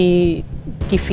sebelum roy kenal dengan andin